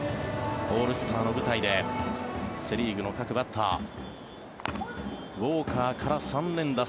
オールスターの舞台でセ・リーグの各バッターウォーカーから３連打。